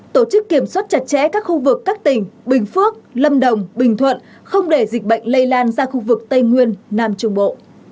tổ chức kiểm soát chặt chẽ các khu vực các tỉnh bình phước lâm đồng bình thuận không để dịch bệnh lây lan ra khu vực tây nguyên nam trung bộ